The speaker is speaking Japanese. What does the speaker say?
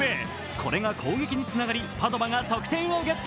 これが攻撃につながり、パドヴァが得点をゲット。